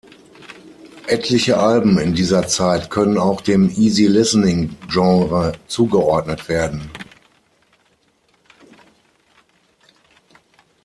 Etliche Alben in dieser Zeit können auch dem Easy-Listening-Genre zugeordnet werden.